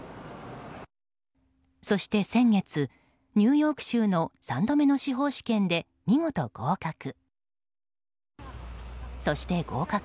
そして先月、ニューヨーク州の３度目の司法試験で見事、合格。